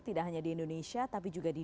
tidak hanya di indonesia tapi juga di